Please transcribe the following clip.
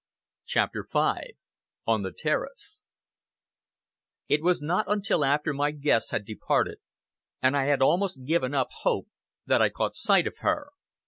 CHAPTER V ON THE TERRACE It was not until after my guests had departed, and I had almost given up hope, that I caught sight of her.